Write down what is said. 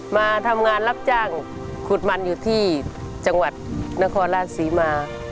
มาทำงานรับจ้างขุดมันอยู่ที่จังหวัดนครราชศรีมา